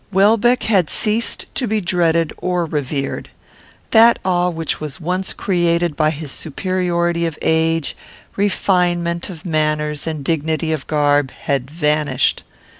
Welbeck had ceased to be dreaded or revered. That awe which was once created by his superiority of age, refinement of manners, and dignity of garb, had vanished.